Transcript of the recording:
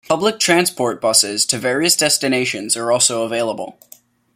Public transport buses to various destinations are also available.